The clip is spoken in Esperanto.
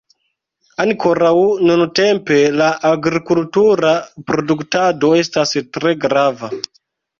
Ankoraŭ nuntempe la agrikultura produktado estas tre grava.